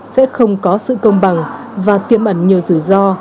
sẽ không có sự công bằng và tiêm ẩn nhiều rủi ro